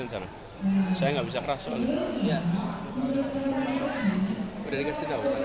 saya gak bisa keras